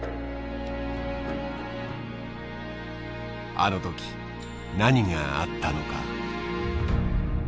あの時何があったのか。